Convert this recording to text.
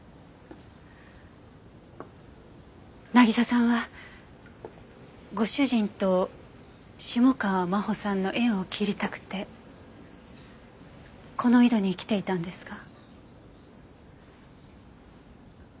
渚さんはご主人と下川真帆さんの縁を切りたくてこの井戸に来ていたんですか？